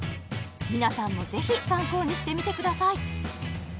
皆さんもぜひ参考にしてみてください